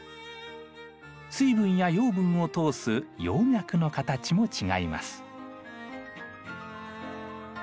水分や養分を通す葉脈の形も違います。